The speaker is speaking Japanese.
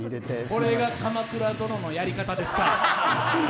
これが「鎌倉殿」のやり方ですか？